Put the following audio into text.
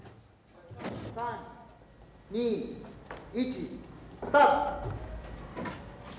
３２１スタート。